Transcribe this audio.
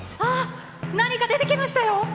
あっ何か出てきましたよ。